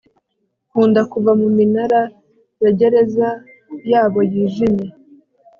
nkunda kuva mu minara ya gereza yabo yijimye